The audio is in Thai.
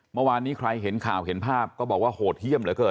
เมื่อวานนี้ใครเห็นข่าวเห็นภาพก็บอกว่าโหดเยี่ยมเหลือเกิน